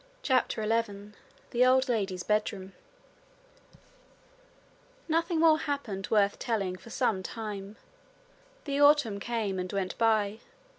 CHAPTER 11 The Old Lady's Bedroom Nothing more happened worth telling for some time. The autumn came and went by.